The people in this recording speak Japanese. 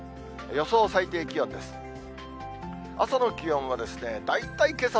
予想最低気温です。